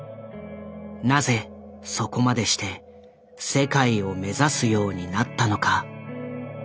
なぜそこまでして世界を目指すようになったのか。